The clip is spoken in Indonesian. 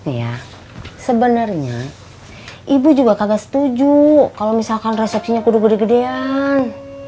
ya sebenarnya ibu juga kagak setuju kalau misalkan resepsinya kudu gede gedean